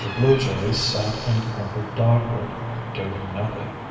Blue Jay sat in a clump of dogwood, doing nothing.